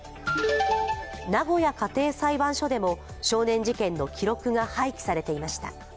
名古屋家庭裁判所でも少年事件の記録が廃棄されていました。